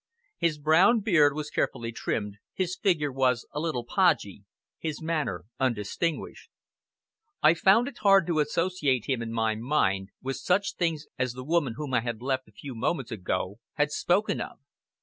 His brown beard was carefully trimmed, his figure was a little podgy, his manner undistinguished. I found it hard to associate him in my mind with such things as the woman whom I had left a few moments ago had spoken of.